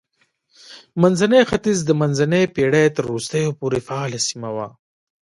منځنی ختیځ د منځنۍ پېړۍ تر وروستیو پورې فعاله سیمه وه.